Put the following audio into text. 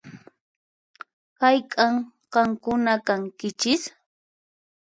Hayk'an qankuna kankichis?